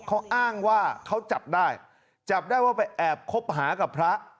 เขาอ้างว่าเขาจับได้จับได้ว่าไปแอบคบหากับพระ